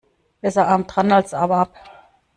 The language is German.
Besser arm dran als Arm ab.